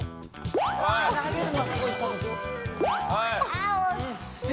あっ惜しいね。